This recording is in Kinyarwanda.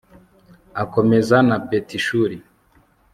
akomeza na betishuri